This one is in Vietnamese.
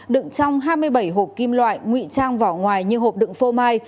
đựng trong hai mươi bảy hộp kim loại nguy trang vỏ ngoài như hộp đựng phô mai